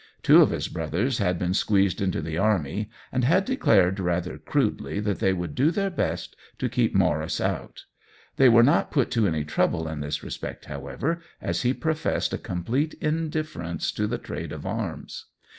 Two of his brothers had been squeezed into the army, and had declared rather crudely that they would do their best to keep Maurice out. They w^re not put to any trouble in this respect, however, as he professed a complete indifference to the trade of arms.